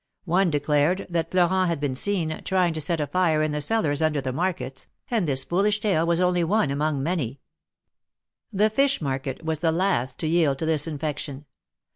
One declared that Florent had been seen, trying to set a fire in the cellars under the markets, and this foolish tale was only one among many. The fish market was the last to yield to this infection.